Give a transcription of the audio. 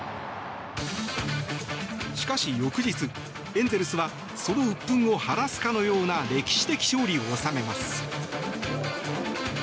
しかし翌日、エンゼルスはそのうっぷんを晴らすかのような歴史的勝利を収めます。